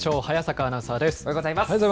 早坂アナウンサーです。